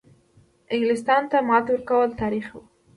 انګلیستان ته ماتې ورکول تاریخي وه.